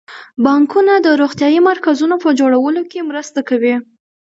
بانکونه د روغتیايي مرکزونو په جوړولو کې مرسته کوي.